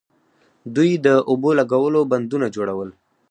دوی د اوبو لګولو بندونه جوړول